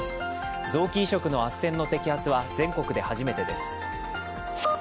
臓器移植のあっせんの摘発は全国で初めてです。